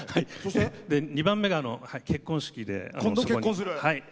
２番目が結婚式で。